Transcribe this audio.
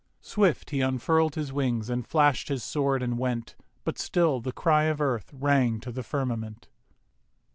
Swift he unfurl'd His wings and flasht his sword and went: But still the cry of Earth rang to the firmament.